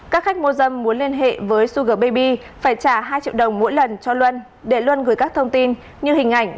các khách mua dâm muốn liên hệ với suger baby phải trả hai triệu đồng mỗi lần cho luân để luân gửi các thông tin như hình ảnh